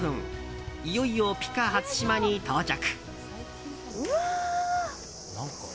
いよいよＰＩＣＡ初島に到着！